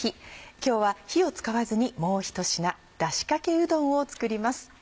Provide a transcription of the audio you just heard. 今日は火を使わずにもう一品「だしかけうどん」を作ります。